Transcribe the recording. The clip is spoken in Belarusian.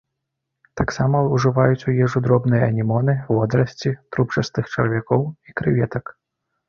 Таксама ўжываюць у ежу дробныя анемоны, водарасці, трубчастых чарвякоў і крэветак.